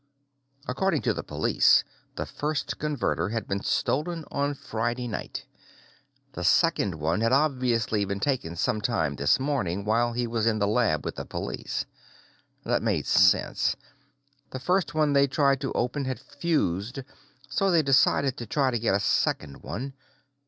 According to the police, the first Converter had been stolen on Friday night. The second one had obviously been taken sometime this morning, while he was in the lab with the police. That made sense. The first one they'd tried to open had fused, so they decided to try to get a second one.